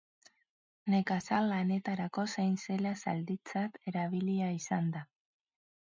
Nekazal lanetarako zein zela zalditzat erabilia izan da.